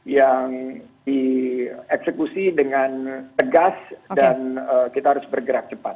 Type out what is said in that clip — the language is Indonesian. yang dieksekusi dengan tegas dan kita harus bergerak cepat